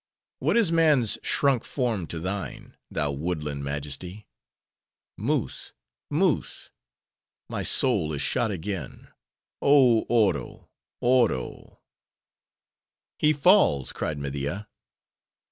What is man's shrunk form to thine, thou woodland majesty?—Moose, moose!—my soul is shot again—Oh, Oro! Oro!" "He falls!" cried Media.